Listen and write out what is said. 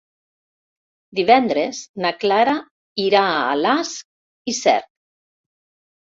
Divendres na Clara irà a Alàs i Cerc.